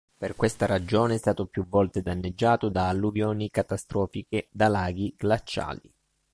Per questa ragione è stato più volte danneggiato da alluvioni catastrofiche da laghi glaciali.